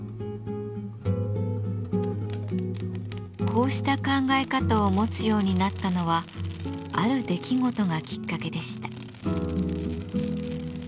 こうした考え方を持つようになったのはある出来事がきっかけでした。